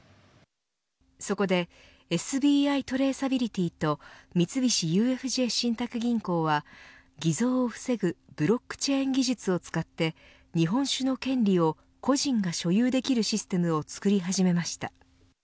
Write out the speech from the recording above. そこでＳＢＩトレーサビリティと三菱ＵＦＪ信託銀行は偽造を防ぐブロックチェーン技術を使って日本酒の権利を個人が所有できるシステムを作り始めました。